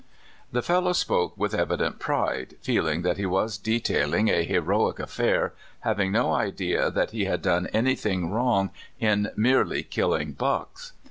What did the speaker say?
The fellow spoke with evident pride, feeling that he was detailing a heroic affair, having no idea that he had done anything wrong in merely killing " bucks."